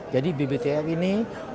jadi bbtf ini